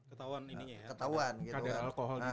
ketauan kader alkohol di dalam tubuhnya